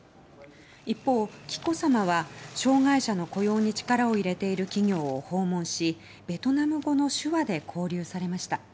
一方、紀子さまは障害者の雇用に力を入れている企業を訪問しベトナム語の手話で交流されました。